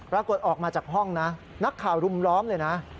ออกมาจากห้องนะนักข่าวรุมล้อมเลยนะ